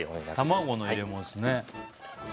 卵の入れ物ですね